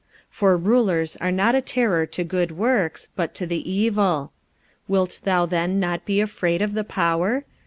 45:013:003 For rulers are not a terror to good works, but to the evil. Wilt thou then not be afraid of the power?